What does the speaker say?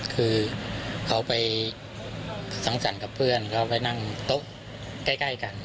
คือเขาไปสังสรรค์กับเพื่อนเขาไปนั่งโต๊ะใกล้กัน